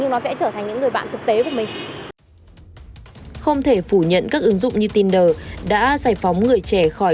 nhưng nó sẽ trở thành những người bạn thực tế của mình